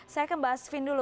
saya ke mbak asvin dulu